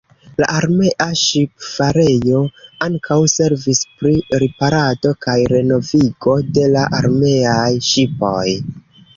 La armea ŝipfarejo ankaŭ servis pri riparado kaj renovigo de la armeaj ŝipoj.